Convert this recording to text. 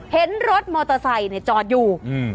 เห็นรถมอเตอร์ไซค์เนี่ยจอดอยู่อืม